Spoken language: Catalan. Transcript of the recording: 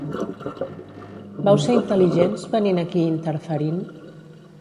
Vau ser intel·ligents, venint aquí i interferint?